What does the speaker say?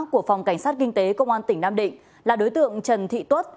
của phòng cảnh sát kinh tế công an tỉnh nam định là đối tượng trần thị tuất